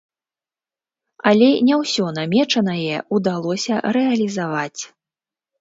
Але не ўсё намечанае ўдалося рэалізаваць.